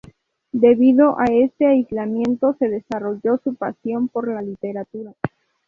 Debido a este aislamiento se desarrolló su pasión por la literatura.